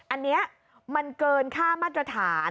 อันนี้มันเกินค่ามาตรฐาน